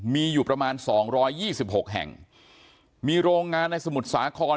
มีอยู่ประมาณ๒๒๖แห่งมีโรงงานในสมุทรสาขร